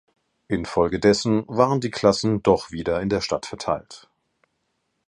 Infolgedessen waren die Klassen doch wieder in der Stadt verteilt.